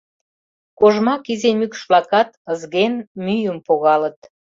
Кожмак изи мӱкш-влакат, ызген, мӱйым погалыт...